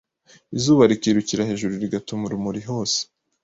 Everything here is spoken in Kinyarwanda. Izuba rikirukira hejuru rigatuma urumuri hose